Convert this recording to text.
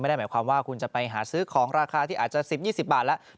ได้หมายความว่าคุณจะไปหาซื้อของราคาที่อาจจะ๑๐๒๐บาทแล้ว